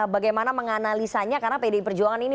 bagaimana menganalisanya karena pdi perjuangan ini